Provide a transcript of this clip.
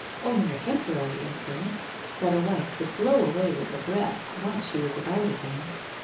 Only a temporary influence, that a wife could blow away with a breath, once she was about again!